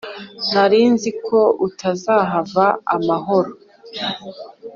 narinziko utazahava amahoro